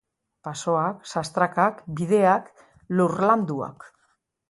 Basoak, sastrakak, bideak, lur landuak.